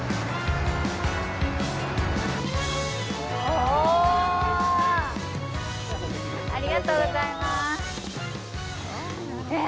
おおありがとうございますえ！